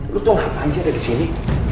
lu tuh ngapain aja ada di sini